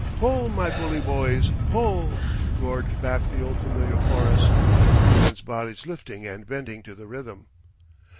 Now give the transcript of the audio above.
"'Pull, my bully boys, pull!'" roared back the old familiar chorus, the men's bodies lifting and bending to the rhythm.